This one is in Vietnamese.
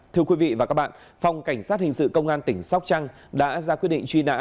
thưa quý vị và các bạn phòng cảnh sát hình sự công an tỉnh sóc trăng đã ra quyết định truy nã